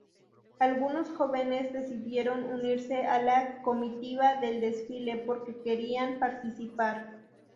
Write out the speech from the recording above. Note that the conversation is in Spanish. Algunos jóvenes decidieron unirse a la comitiva del desfile porque querían participar.